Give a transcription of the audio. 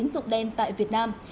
dụng đen tại việt nam